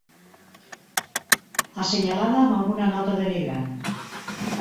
Assenyalada amb alguna nota denigrant.